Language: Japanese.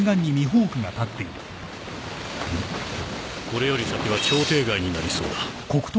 これより先は協定外になりそうだ。